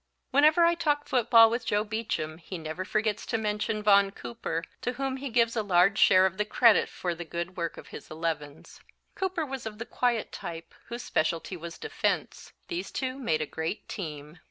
Whenever I talk football with Joe Beacham he never forgets to mention Vaughn Cooper, to whom he gives a large share of the credit for the good work of his elevens. Cooper was of the quiet type, whose specialty was defense. These two made a great team.